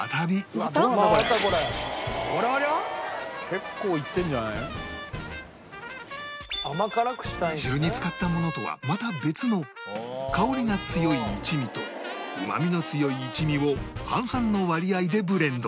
「結構いってるんじゃない？」煮汁に使ったものとはまた別の香りが強い一味とうまみの強い一味を半々の割合でブレンド